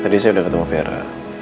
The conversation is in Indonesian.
tadi saya udah ketemu vera